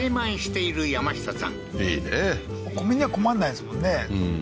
いいねお米には困んないですもんね